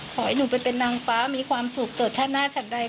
ขอให้หนูไปเป็นนางฟ้ามีความสุขเกิดชาติหน้าฉันใด